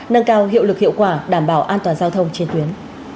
nâng cao hiệu lực hiệu quả đảm bảo an toàn giao thông trên tuyến